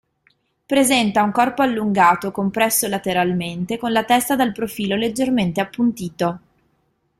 Presenta un corpo allungato, compresso lateralmente, con la testa dal profilo leggermente appuntito.